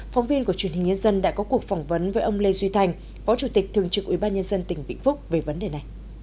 phóng viên của truyền hình nhân dân đã có cuộc phỏng vấn với ông lê duy thành võ chủ tịch thường trực ủy ban nhân dân tỉnh vĩnh phúc về vấn đề này